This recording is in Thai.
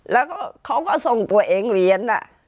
แล้วก็เขาก็ส่งตัวเองเรียน